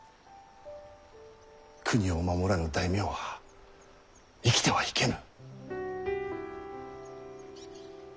国を守らぬ大名は生きてはいけぬ。